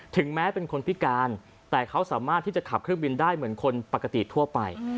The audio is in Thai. แม้เป็นคนพิการแต่เขาสามารถที่จะขับเครื่องบินได้เหมือนคนปกติทั่วไป